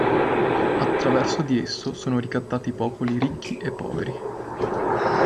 Attraverso di esso sono ricattati popoli ricchi e poveri.